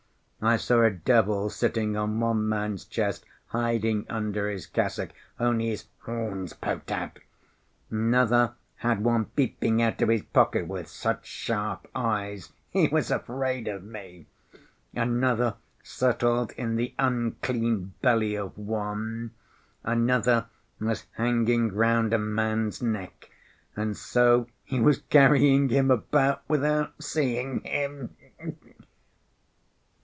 I saw a devil sitting on one man's chest hiding under his cassock, only his horns poked out; another had one peeping out of his pocket with such sharp eyes, he was afraid of me; another settled in the unclean belly of one, another was hanging round a man's neck, and so he was carrying him about without seeing him."